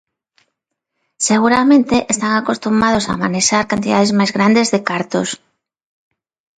Seguramente están acostumados a manexar cantidades máis grandes de cartos.